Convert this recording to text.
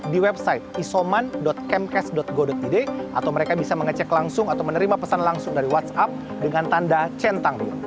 di website isoman kemkes go id atau mereka bisa mengecek langsung atau menerima pesan langsung dari whatsapp dengan tanda centang